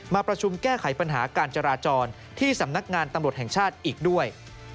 มาประชุมแก้ไขปัญหาการจราจรที่สำนักงานตำรวจแห่งชาติอีกด้วย